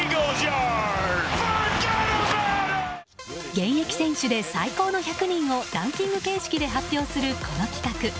現役選手で最高の１００人をランキング形式で発表するこの企画。